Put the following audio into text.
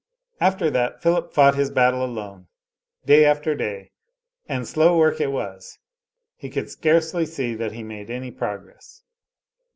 After that, Philip fought his battle alone, day after day, and slow work it was; he could scarcely see that he made any progress.